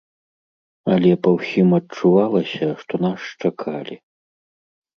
Але па ўсім адчувалася, што нас чакалі.